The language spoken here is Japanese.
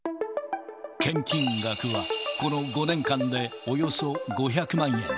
献金額はこの５年間でおよそ５００万円。